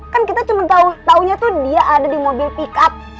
kan kita cuma tahunya tuh dia ada di mobil pick up